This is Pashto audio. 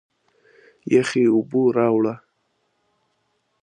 یخي اوبه راړه!